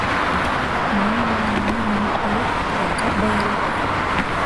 Mo ɓah no hĩĩ ɓe ah gah bare.